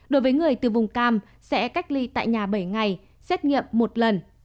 đối với người từ vùng cam sẽ cách ly tại nhà bảy ngày xét nghiệm một lần